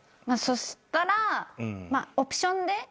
まあそしたらオプションで。